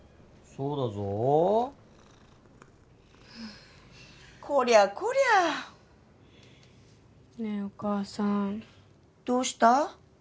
そうだぞはあこりゃこりゃねえお母さんどうした？